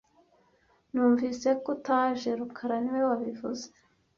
Numvise ko utaje rukara niwe wabivuze